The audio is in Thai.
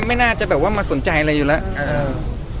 มันไม่น่าจะมาสนใจอะไรอยู่แล้ว